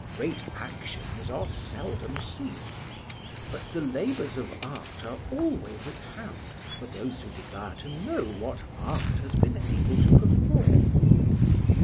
Great actions are seldom seen, but the labours of art are always at hand for those who desire to know what art has been able to perform.